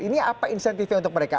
ini apa insentifnya untuk mereka